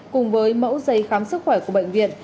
cùng với mẫu giấy khám sức khỏe của bệnh viện